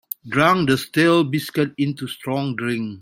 Dunk the stale biscuits into strong drink.